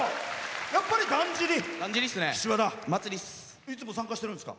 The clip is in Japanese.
やっぱり、だんじり。